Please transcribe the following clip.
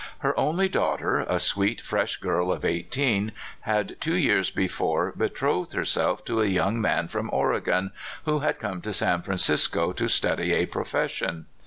Her only daughter, a sweet, fresh girl of eighteen, had two years before betrothed herself to a young man from Oregon, who had come to San Francisco to study a profession.